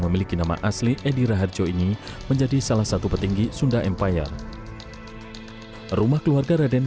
memiliki nama asli edi raharjo ini menjadi salah satu petinggi sunda empire rumah keluarga raden